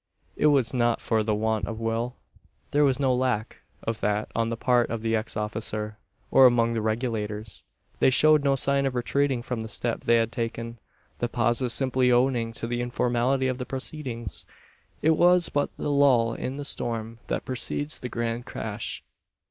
It was not for the want of will. There was no lack of that on the part of the ex officer, or among the Regulators. They showed no sign of retreating from the step they had taken. The pause was simply owing to the informality of the proceedings. It was but the lull in the storm that precedes the grand crash.